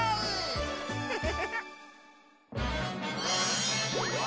フフフ。